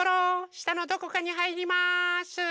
したのどこかにはいります。